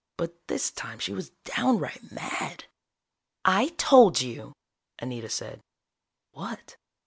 But this time she was downright mad. "I told you," Anita said. "What?"